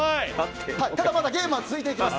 ただ、まだゲームは続きます。